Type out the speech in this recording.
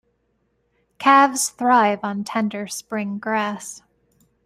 Calves thrive on tender spring grass.